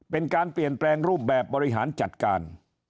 เป็นการเปลี่ยนแปลงรูปแบบบริหารจัดการ